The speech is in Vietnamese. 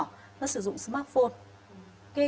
nó sử dụng smartphone